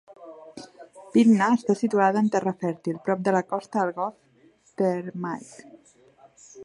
Pydna està situada en terra fèrtil prop de la costa del golf Thermaic.